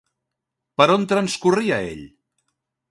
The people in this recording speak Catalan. Per on transcorria ell?